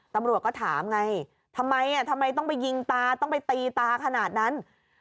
ตำรวจก็ถามไงทำไมทำไมต้องไปยิงตาต้องไปตีตาขนาดนั้น